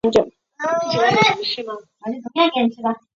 肩胛骨与肠骨都是大而粗壮。